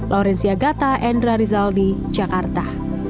laurencia gata endra rizaldi jakarta